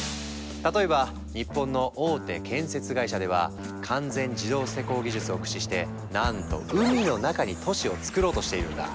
例えば日本の大手建設会社では完全自動施工技術を駆使してなんと海の中に都市をつくろうとしているんだ。